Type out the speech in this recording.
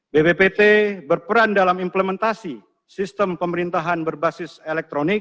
bppt berperan dalam implementasi sistem pemerintahan berbasis elektronik